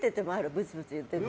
ブツブツ言ってて。